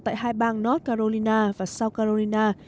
tại hai bang north carolina và south carolina